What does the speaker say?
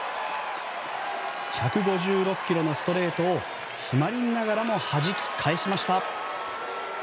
１５６キロのストレートを詰まりながらもはじき返しました。